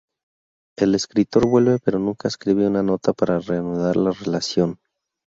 El escritor vuelve pero nunca escribe una nota para reanudar la relación.